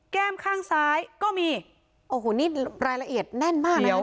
ข้างซ้ายก็มีโอ้โหนี่รายละเอียดแน่นมากนะครับ